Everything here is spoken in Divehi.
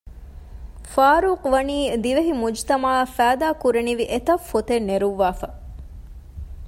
ފާރޫޤް ވަނީ ދިވެހި މުޖުތަމަޢަށް ފައިދާ ކުރުވަނިވި އެތައް ފޮތެއް ނެރުއްވައިފަ